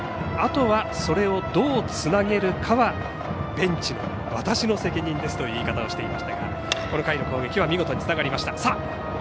あとは、それをどうつなげるかはベンチの私の責任ですという言い方をしていましたがこの回の攻撃は見事につながりました。